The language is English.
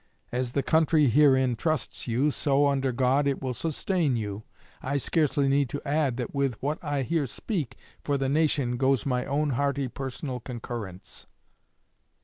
As the country herein trusts you, so, under God, it will sustain you. I scarcely need to add that with what I here speak for the nation goes my own hearty personal concurrence."